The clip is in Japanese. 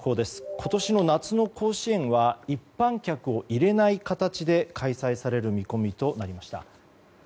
今年の夏の甲子園は一般客を入れない形で開催される見込みとなりました。